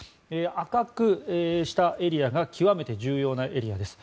赤くしたエリアが極めて重要なエリアです。